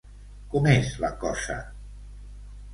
Com és la cosa?